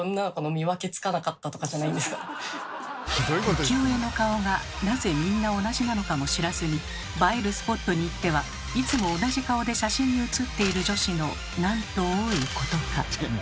浮世絵の顔がなぜみんな同じなのかも知らずに映えるスポットに行ってはいつも同じ顔で写真に写っている女子のなんと多いことか。